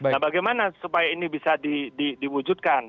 nah bagaimana supaya ini bisa diwujudkan